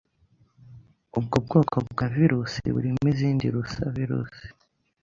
Ubwo bwoko bwa virusi burimo izindi Lusavirusi (Lyssavirus)